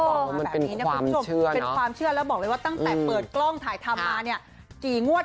เขาบอกว่ามันเป็นความเชื่อเนอะคุณผู้ชมเป็นความเชื่อแล้วบอกเลยว่าตั้งแต่เปิดกล้องถ่ายทำมาเนี่ย